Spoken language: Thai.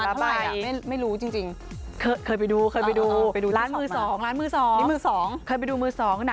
คือนางจราเชขลองชิงอยากดูไง